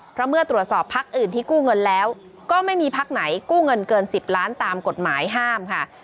เพราะเมื่อตรวจสอบพักอื่นที่กู้เงินแล้วก็ไม่มีพักไหนกู้เงินเกิน๑๐ล้านตามกฎหมายห้ามค่ะ